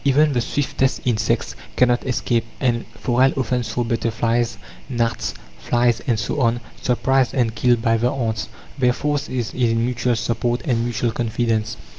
Even the swiftest insects cannot escape, and Forel often saw butterflies, gnats, flies, and so on, surprised and killed by the ants. Their force is in mutual support and mutual confidence.